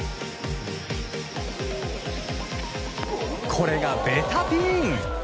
これがベタピン。